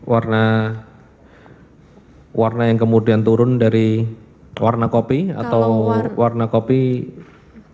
warna warna yang kemudian turun dari warna kopi atau warna kopi